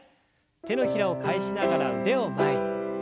手のひらを返しながら腕を前に。